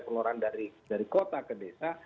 keluaran dari kota ke desa